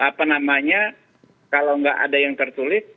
apa namanya kalau nggak ada yang tertulis